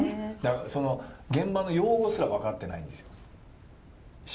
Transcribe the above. その現場の用語すら分かってないんですよ。